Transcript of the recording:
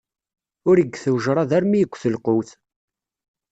Ur igget ujṛad armi igget lqewt.